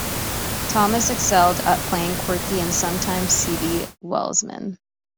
Thomas excelled at playing quirky and sometimes seedy Welshmen.